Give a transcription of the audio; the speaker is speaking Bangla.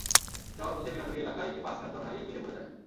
যাওয়ার পথে বিনাজুরী এলাকায় একটি বাস নিয়ন্ত্রণ হারিয়ে বিলে পড়ে যায়।